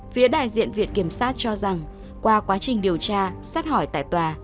phía đại diện viện kiểm sát cho rằng qua quá trình điều tra xét hỏi tại tòa